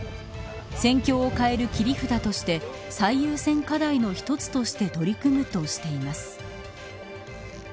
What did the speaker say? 戦況を変える切り札として最優先課題の一つとして取り組むとしています。